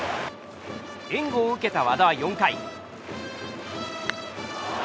援護を受けた和田は４回。